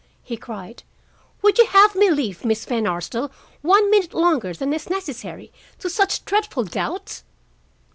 he cried. "Would you have me leave Miss Van Arsdale one minute longer than is necessary to such dreadful doubts?